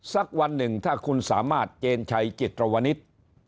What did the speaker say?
สักวันหนึ่งถ้าคุณสามารถเจนชัยจิตรวนิต